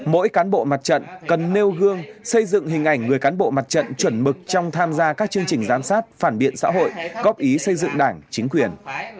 mỗi cán bộ mặt trận cần nêu gương xây dựng hình ảnh người cán bộ mặt trận chuẩn mực trong tham gia các chương trình giám sát phản biện xã hội góp ý xây dựng đảng chính quyền